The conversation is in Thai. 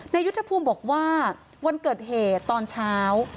ยุทธภูมิบอกว่าวันเกิดเหตุตอนเช้า